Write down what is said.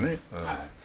はい。